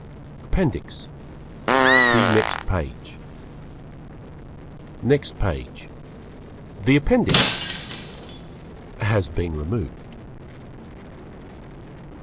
"_ APPENDIX See next page. THE APPENDIX _has been removed.